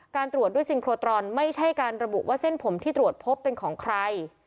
ตรวจด้วยซิงโครตรอนไม่ใช่การระบุว่าเส้นผมที่ตรวจพบเป็นของใคร